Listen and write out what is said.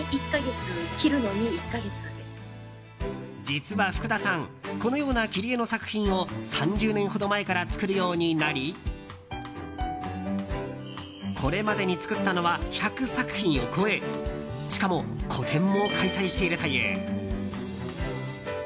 実は福田さんこのような切り絵の作品を３０年ほど前から作るようになりこれまでに作ったのは１００作品を超えしかも個展も開催しているという。